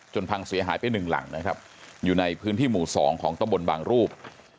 พังเสียหายไปหนึ่งหลังนะครับอยู่ในพื้นที่หมู่๒ของตะบนบางรูป